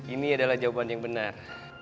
ini adalah jawaban yang benar